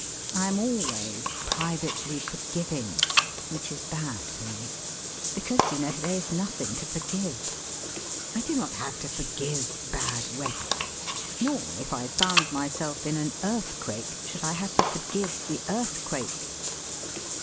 I am always privately forgiving, which is bad for me. Because, you know, there is nothing to forgive. I do not have to forgive bad weather; nor, if I found myself in an earthquake, should I have to forgive the earthquake.